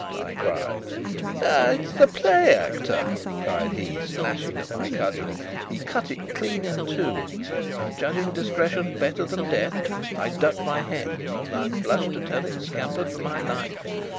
I cried. "It's the play actor!" cried he, slashing at my cudgel. He cut it clean in two; and, judging discretion better than death, I ducked my head and (I blush to tell it) scampered for my life.